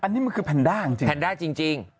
อันนี้มันคือแพนด้าจริงแพนด้าจริง